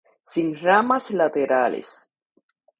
Sin ramas laterales.